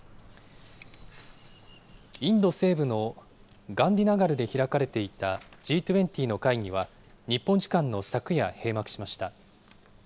インド西部のガンディナガルで開かれていたＧ２０の会議は、日本時間の昨夜、閉幕しました。